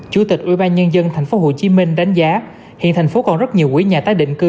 chủ tịch ubnd tp hcm đánh giá hiện thành phố còn rất nhiều quỹ nhà tái định cư